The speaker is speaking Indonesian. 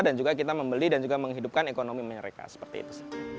dan juga kita membeli dan juga menghidupkan ekonomi mereka seperti itu